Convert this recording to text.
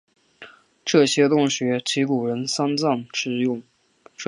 这些洞穴即古人丧葬之用。